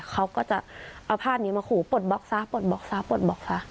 เขาก็จะเอาภาพนี้มาขู่ปลดบล็อกซะปลดบล็อกซะปลดบล็อกซะ